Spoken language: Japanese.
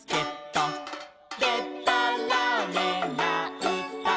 「でたらめなうた」